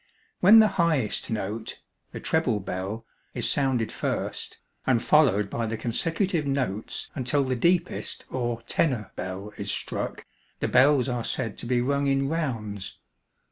When the highest note the treble bell is sounded first, and followed by the consecutive notes until the deepest or 'tenor' bell is struck, the bells are said to be rung in 'rounds.'